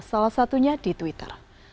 salah satunya di twitter